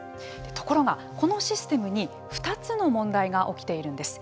ところが、このシステムに２つの問題が起きているんです。